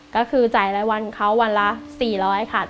ก็คือจ่ายรายวันเขาวันละ๔๐๐ค่ะ